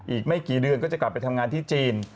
อีกไม่กี่เดือนก็จะกลับไปทำงานที่จีน